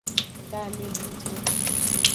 Tamebubu.